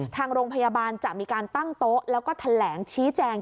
ทางโรงพยาบาลจะมีการตั้งโต๊ะแล้วก็แถลงชี้แจง